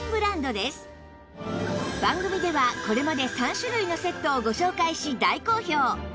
番組ではこれまで３種類のセットをご紹介し大好評